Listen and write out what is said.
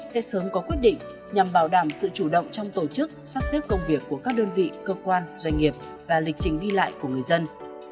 sẽ sớm có quyết định nhằm bảo đảm sự chủ động trong tổ chức sắp xếp công việc của các đơn vị cơ quan doanh nghiệp và lịch trình đi lại của người dân